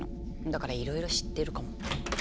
だからいろいろ知ってるかも。